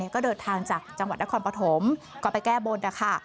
ก็เดินทางจากจังหวัดนครปฐมก็ไปแก้บนนะคะ